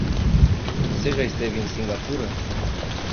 Você já esteve em Cingapura?